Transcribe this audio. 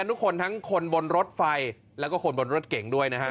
ทุกคนทั้งคนบนรถไฟแล้วก็คนบนรถเก่งด้วยนะฮะ